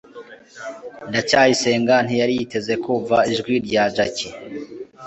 ndacyayisenga ntiyari yiteze kumva ijwi rya jaki